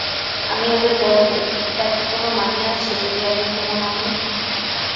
আমি ওদের বড়োবউ, তার কি কোনো মানে আছে যদি আমি কুমু না হই?